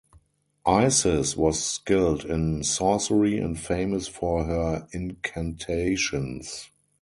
Isis was skilled in sorcery and famous for her incantations.